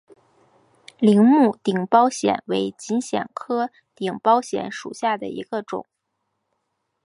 铃木顶苞藓为锦藓科顶苞藓属下的一个种。